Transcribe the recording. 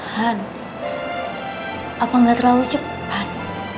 han apa nggak terlalu cepat